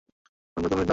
সন্ধ্যা, দু মিনিট দাও।